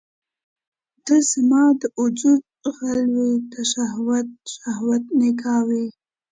ته زما د وجود غل وې ته شهوت، شهوت نګاه وي